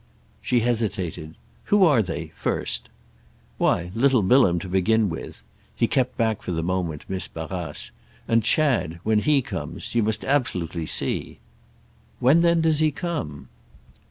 She hesitated. "Who are they—first?" "Why little Bilham to begin with." He kept back for the moment Miss Barrace. "And Chad—when he comes—you must absolutely see." "When then does he come?"